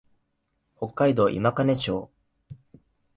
北海道今金町